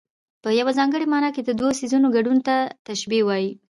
په یوه ځانګړې مانا کې د دوو څيزونو ګډون ته تشبېه وايي.